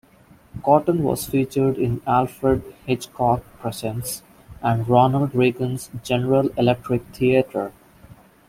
Cotten was featured in "Alfred Hitchcock Presents" and Ronald Reagan's "General Electric Theater".